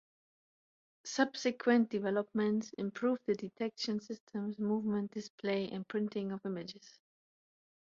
Subsequent developments improved the detection systems, movement, display and printing of images.